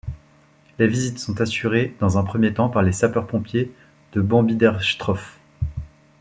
Les visites sont assurées dans un premier temps par les Sapeurs pompiers de Bambiderstroff.